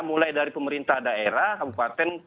mulai dari pemerintah daerah kabupaten